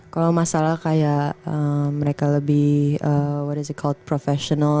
kalau masalah kayak mereka lebih what is account professional